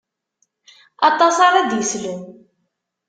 Aṭas ara d-islen.